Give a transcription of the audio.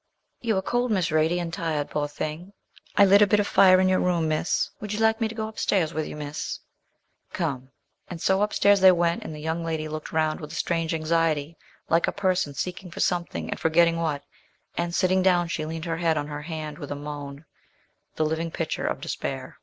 'You are cold, Miss Radie, and tired poor thing! I lit a bit of fire in your room, Miss; would you like me to go up stairs with you, Miss?' 'Come.' And so up stairs they went; and the young lady looked round with a strange anxiety, like a person seeking for something, and forgetting what; and, sitting down, she leaned her head on her hand with a moan, the living picture of despair.